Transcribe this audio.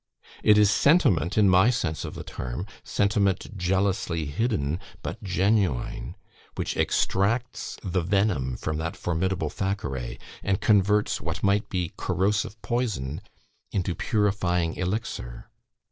It is 'sentiment,' in my sense of the term sentiment jealously hidden, but genuine, which extracts the venom from that formidable Thackeray, and converts what might be corrosive poison into purifying elixir.